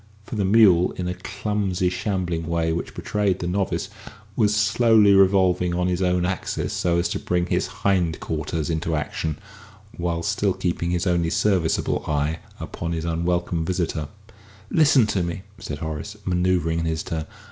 For, the mule, in a clumsy, shambling way which betrayed the novice, was slowly revolving on his own axis so as to bring his hind quarters into action, while still keeping his only serviceable eye upon his unwelcome visitor. "Listen to me, sir," said Horace, manoeuvring in his turn.